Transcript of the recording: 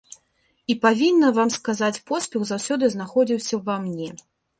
І, павінна вам сказаць, поспех заўсёды знаходзіўся ўва мне.